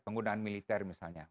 penggunaan militer misalnya